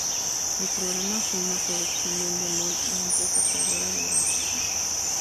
El programa fue una producción de Endemol, la empresa creadora de Gran Hermano.